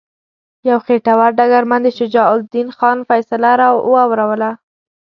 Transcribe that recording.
یو خیټور ډګرمن د شجاع الدین خان فیصله واوروله.